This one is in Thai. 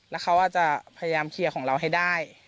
แล้วเขาอาจจะพยายามเคลียร์ของเราให้ได้